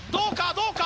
どうか？